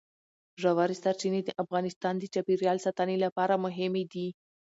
ژورې سرچینې د افغانستان د چاپیریال ساتنې لپاره مهمي دي.